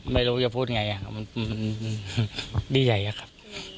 ไม่รู้ว่าจะพูดอย่างไรดีใจครับ